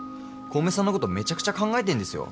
小梅さんのことめちゃくちゃ考えてんですよ。